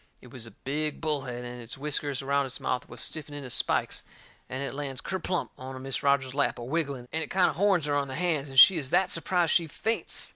It was a big bullhead, and its whiskers around its mouth was stiffened into spikes, and it lands kerplump into Mis' Rogers's lap, a wiggling, and it kind o' horns her on the hands, and she is that surprised she faints.